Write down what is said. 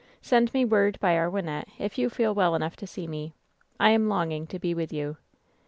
Send me word by our Wynnette if you feel well enough to see me. I am longing to be with you."